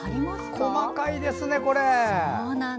細かいですね、これ！